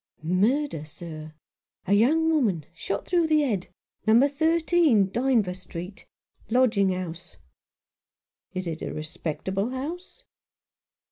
"Murder, sir. A young woman — shot through the head — number thirteen, Dynevor Street — lodging house." "Is it a respectable house